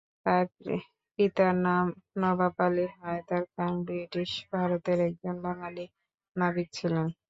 তার পিতার নাম নবাব আলী হায়দার খান ব্রিটিশ ভারতের একজন বাঙালি নাবিক ছিলেন।